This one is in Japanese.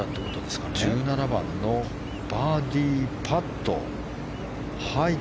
１７番のバーディーパット。